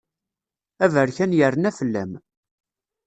Aberkan yerna fell-am.